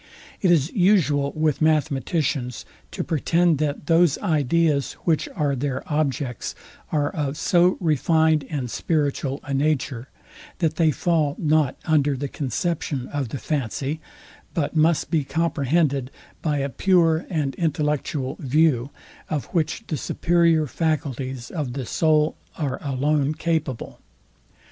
It is usual with mathematicians, to pretend, that those ideas, which are their objects, are of so refined and spiritual a nature, that they fall not under the conception of the fancy, but must be comprehended by a pure and intellectual view, of which the superior faculties of the soul are alone capable.